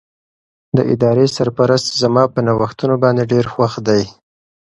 د ادارې سرپرست زما په نوښتونو باندې ډېر خوښ دی.